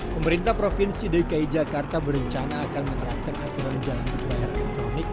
pemerintah provinsi dki jakarta berencana akan menerapkan aturan jalan berbayar elektronik